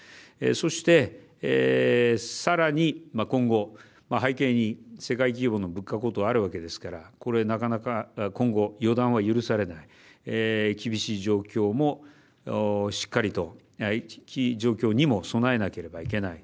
そしてさらに今後背景に世界規模の物価高騰があるわけですからこれ、なかなか今後予断は許されない厳しい状況にもしっかりと備えなければいけない。